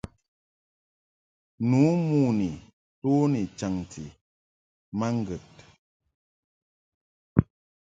Nu mon ni nto ni chaŋti ma ŋgəd.